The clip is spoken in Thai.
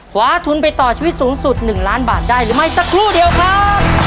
คว้าทุนไปต่อชีวิตสูงสุด๑ล้านบาทได้หรือไม่สักครู่เดียวครับ